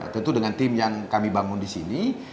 tentu dengan tim yang kami bangun di sini